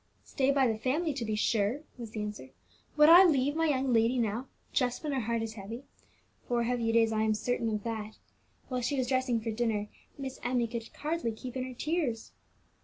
"Stay by the family, to be sure," was the answer. "Would I leave my young lady now, just when her heart is heavy? for heavy it is, I am certain of that. While she was dressing for dinner, Miss Emmie could hardly keep in her tears.